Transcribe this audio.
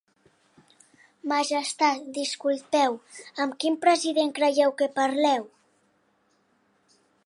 Majestat, disculpeu, amb quin president creieu que parleu?